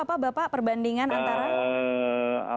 apa bapak perbandingan antara